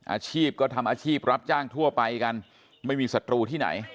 อาชีพก็ทำอาชีพรับจ้างทั่วไปกันไม่มีศัตรูที่ไหน